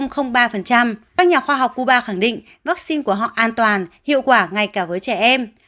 các nhà khoa học cuba khẳng định vaccine của họ an toàn hiệu quả ngay cả với trẻ em